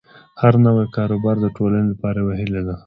هر نوی کاروبار د ټولنې لپاره یوه هیله ده.